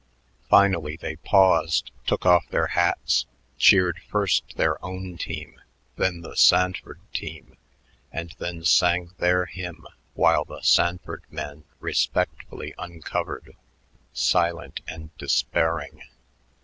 Finally they paused, took off their hats, cheered first their own team, then the Sanford team, and then sang their hymn while the Sanford men respectfully uncovered, silent and despairing.